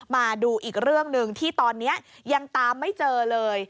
มาดูอีกเรื่องหนึ่งที่ตอนนี้ยังตามไม่เจอเลย